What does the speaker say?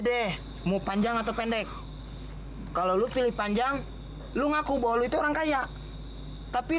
deh mau panjang atau pendek kalau lo pilih panjang lu ngaku bahwa lu itu orang kaya tapi